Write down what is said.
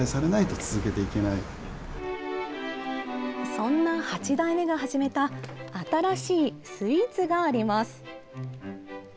そんな８代目が始めた、新しいスイーツがあります。